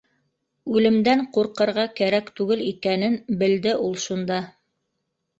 Үлемдән ҡур- ҡырға кәрәк түгел икәнен белде ул шунда.